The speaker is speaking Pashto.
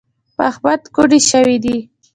په احمد کوډي شوي دي .